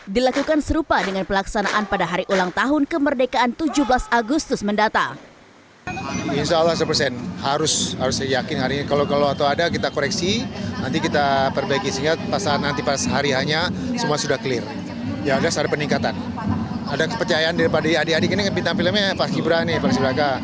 dilakukan serupa dengan pelaksanaan pada hari ulang tahun kemerdekaan tujuh belas agustus mendatang